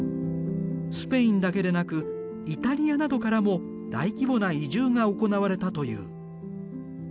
スペインだけでなくイタリアなどからも大規模な移住が行われたという。